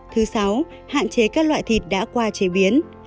thứ sáu hạn chế các loại thịt đã qua chế biến